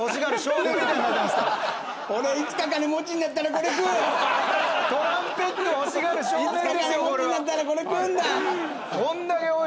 「いつか金持ちになったらこれ食うんだ！」